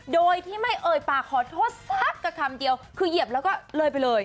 โดยที่ไม่เอ่ยปากขอโทษสักกระคำเดียวคือเหยียบแล้วก็เลยไปเลย